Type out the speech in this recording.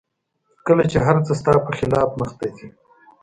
کله چې هر څه ستا په خلاف مخته ځي